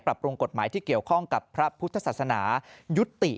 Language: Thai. ปรุงกฎหมายที่เกี่ยวข้องกับพระพุทธศาสนายุติ